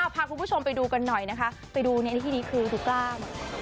พาคุณผู้ชมไปดูกันหน่อยนะคะไปดูในที่นี้คือดูกล้าม